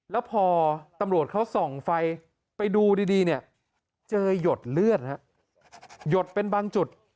แล้วพอตำรวจเขาส่องไฟไปดูดีเนี่ยเจอหยดเลือดหยดเป็นบางจุด